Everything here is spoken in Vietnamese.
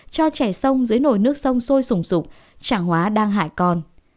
cho trẻ sông dưới nồi nước sông sôi sùng sụp chẳng hóa đang hại con